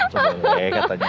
coba deh katanya